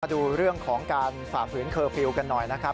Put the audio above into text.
ดูเรื่องของการฝ่าฝืนเคอร์ฟิลล์กันหน่อยนะครับ